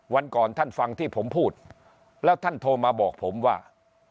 วันก่อนท่านฟังที่ผมพูดแล้วท่านโทรมาบอกผมว่า